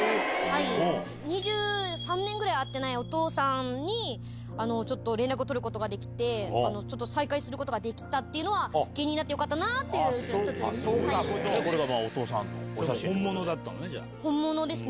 ２３年ぐらい会ってないお父さんに、ちょっと連絡を取ることができて、ちょっと再会することができたっていうのは、芸人になってよかったなっていうのの１つですね。